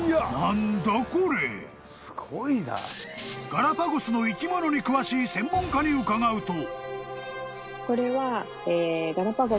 ［ガラパゴスの生き物に詳しい専門家に伺うと］